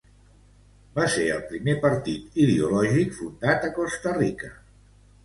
Va ser el primer partit ideològic fundat a Costa Rica.